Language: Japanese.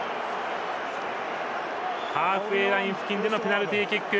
ハーフウェーライン付近でのペナルティーキック。